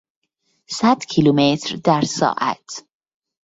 صد کیلومتر در ساعت